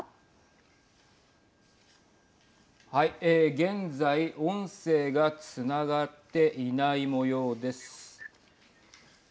現在、音声がつながっていないもようです。